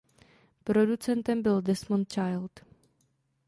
Producentem byl Desmond Child.